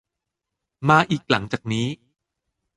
มาอีกหลังจากนี้